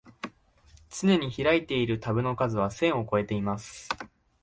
つねに開いているタブの数は千をこえてます